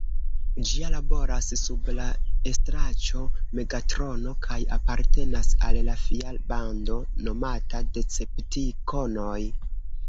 Ĝi laboras sub la estraĉo Megatrono kaj apartenas al la fia bando nomata Deceptikonoj.